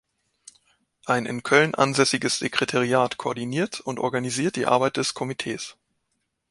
Ein in Köln ansässiges Sekretariat koordiniert und organisiert die Arbeit des Komitees.